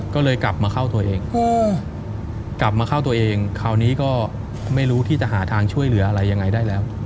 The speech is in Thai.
ก็เลยกลับมาเข้าตัวเองกลับมาเข้าตัวเองคราวนี้ก็ไม่รู้ที่จะหาทางช่วยเหลืออะไรยังไงได้แล้ว